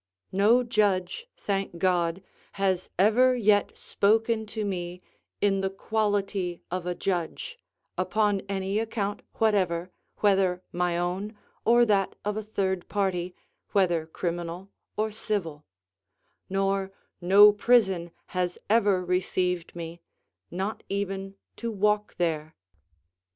No judge, thank God, has ever yet spoken to me in the quality of a judge, upon any account whatever, whether my own or that of a third party, whether criminal or civil; nor no prison has ever received me, not even to walk there.